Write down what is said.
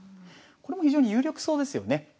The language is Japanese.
これも非常に有力そうですよね。